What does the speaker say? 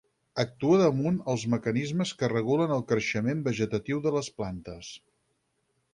Actua damunt els mecanismes que regulen el creixement vegetatiu de les plantes.